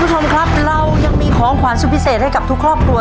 คุณผู้ชมครับเรายังมีของขวานสุดพิเศษให้กับทุกครอบครัว